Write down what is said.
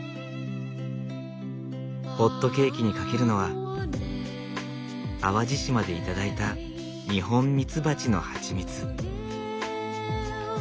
ホットケーキにかけるのは淡路島で頂いたニホンミツバチのハチミツ。